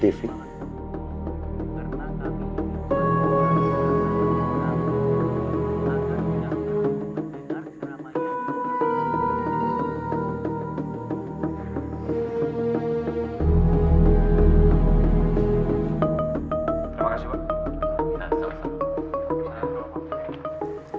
terima kasih bu